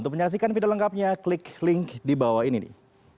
untuk menyaksikan video lengkapnya klik link di bawah ini nih